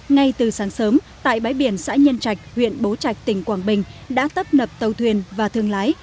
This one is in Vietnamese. ngay từ sáng sớm tại bãi biển xã nhân trạch huyện bố trạch tỉnh quảng bình đã tấp nập tàu thuyền và thương lái